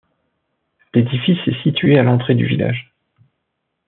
L'édifice est situé à l'entrée du village.